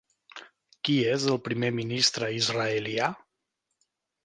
Qui és el primer ministre israelià?